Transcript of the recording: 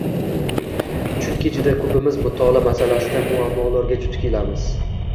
Chunki juda koʻpimiz mutolaa masalasida muammolarga duch kelamiz